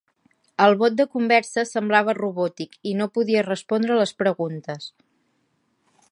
El bot de conversa semblava robòtic i no podia respondre les preguntes.